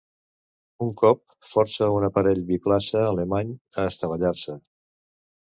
Un cop, força a un aparell biplaça alemany a estavellar-se.